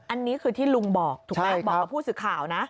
อันนี้คือที่ลุงบอกถูกไหมบอกกับผู้สื่อข่าวนะ